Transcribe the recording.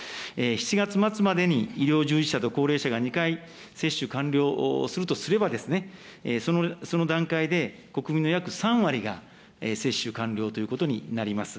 ７月末までに医療従事者と高齢者が２回、接種完了するとすればですね、その段階で国民の約３割が接種完了ということになります。